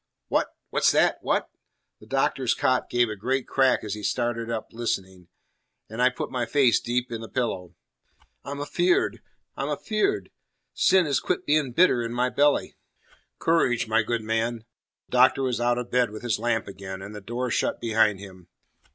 "What? What's that? What?" The Doctor's cot gave a great crack as he started up listening, and I put my face deep in the pillow. "I'm afeard! I'm afeard! Sin has quit being bitter in my belly." "Courage, my good man." The Doctor was out of bed with his lamp again, and the door shut behind him.